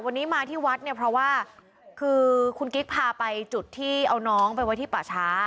วันนี้มาที่วัดเนี่ยเพราะว่าคือคุณกิ๊กพาไปจุดที่เอาน้องไปไว้ที่ป่าช้า